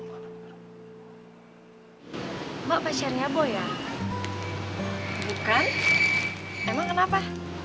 bukan emang kenapa